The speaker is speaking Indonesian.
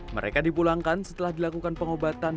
mereka dipulangkan setelah dilakukan pengobatan